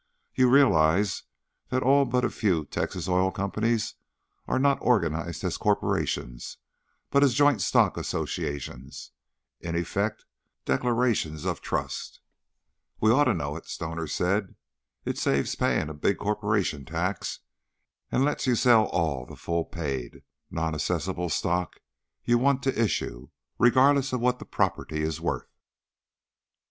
You realize that all but a few Texas oil companies are not organized as corporations, but as joint stock associations in effect declarations of trust." "We oughta know it," Stoner said. "It saves paying a big corporation tax and lets you sell all the full paid, nonassessable stock you want to issue, regardless of what the property is worth.